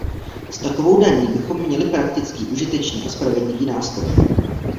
S takovou daní bychom měli praktický, užitečný a spravedlivý nástroj.